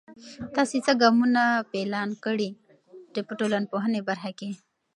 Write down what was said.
تاسې څه ګامونه پلان کړئ د ټولنپوهنې په برخه کې؟